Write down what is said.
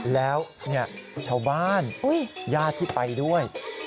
แล้วชาวบ้านญาติที่ไปด้วย